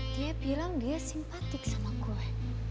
dia bilang dia simpatik sama gue